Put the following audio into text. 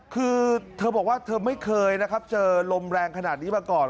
คือเธอบอกว่าเธอไม่เคยนะครับเจอลมแรงขนาดนี้มาก่อน